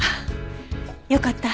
よかった。